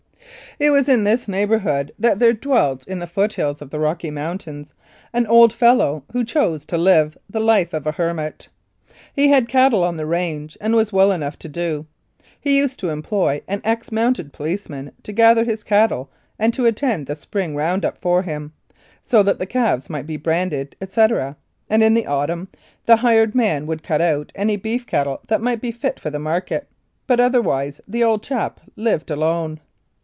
It was in this neighbourhood that there dwelt in the foothills of the Rocky Mountains an old fellow who chose to live the life of a hermit. He had cattle on the range, and was well enough to do. He used to employ an ex mounted policeman to gather his cattle and to attend the spring round up for him, so that the calves might be branded, etc., and in the autumn the hired man would cut out any beef cattle that might be fit for the market, but otherwise the old chap lived alone.